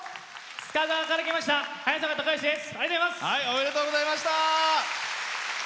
須賀川から来ましたはやさかです。